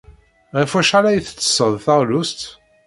Ɣef wacḥal ay tettessed taɣlust?